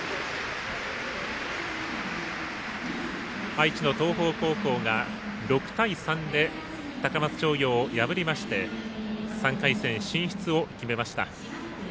愛知の東邦高校が６対３で高松商業を破りまして３回戦進出を決めました。